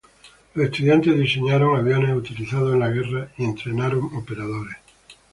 Los estudiantes diseñaron aviones utilizados en la guerra y entrenaron operadores.